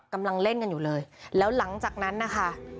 กำลังเล่นกันอยู่เลยแล้วหลังจากนั้นนะคะ